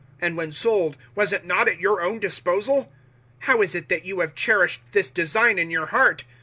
And when sold, was it not at your own disposal? How is it that you have cherished this design in your heart?